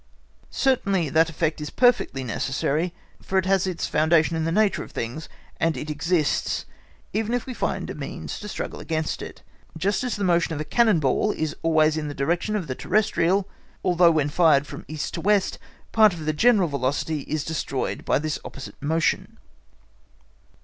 Certainly that effect is perfectly necessary, for it has its foundation in the nature of things, and it exists, even if we find means to struggle against it; just as the motion of a cannon ball is always in the direction of the terrestrial, although when fired from east to west part of the general velocity is destroyed by this opposite motion.